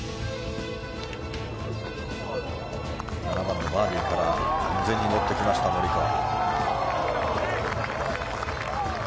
７番のバーディーから完全に乗ってきましたモリカワ。